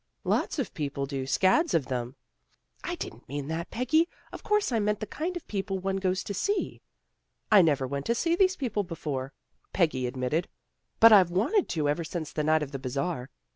" Lots of people do. Scads of 'em." " I didn't mean that, Peggy. Of course I meant the kind of people one goes to see." " I never went to see these people before," 120 THE GIRLS OF FRIENDLY TERRACE Peggy admitted. " But I've wanted to ever since the night of the Bazar.